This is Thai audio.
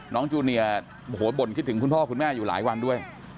จูเนียโอ้โหบ่นคิดถึงคุณพ่อคุณแม่อยู่หลายวันด้วย